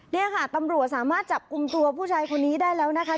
นี่ค่ะตำรวจสามารถจับกลุ่มตัวผู้ชายคนนี้ได้แล้วนะคะ